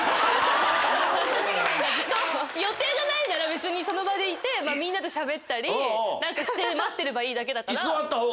予定がないなら別にその場にいてみんなとしゃべったり何かして待ってればいいだけだから。